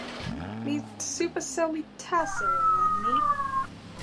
mi supa seli taso e len ni.